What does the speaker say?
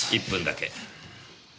１分だけ。